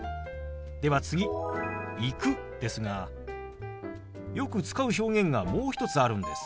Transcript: では次「行く」ですがよく使う表現がもう一つあるんです。